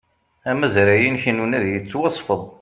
Amazray-inek n unadi yettwasfed